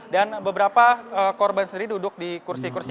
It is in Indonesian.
dan beberapa korban sendiri duduk di kursi kursi yang lainnya